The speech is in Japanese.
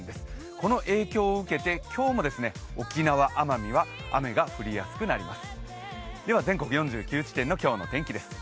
この影響を受けて、今日も沖縄、奄美は雨が降りやすくなります。